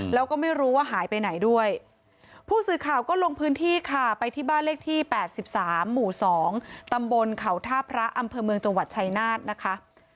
แล้วก็ไม่รู้ว่าหายไปไหนด้วยผู้สื่อข่าวก็ลงพื้นที่ค่ะไปที่บ้านเลขที่๘๓หมู่๒ตำบลเขาท่าพระอำเภอเมืองจังหวัดชายนาฏนะคะ